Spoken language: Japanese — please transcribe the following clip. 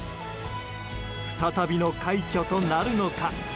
再びの快挙となるのか。